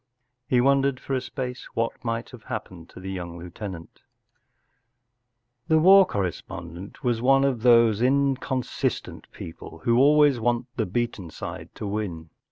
..." He wondered for a space what might have happened to the young lieutenant The war correspondent was one of those inconsistent people who always want the beaten side to win.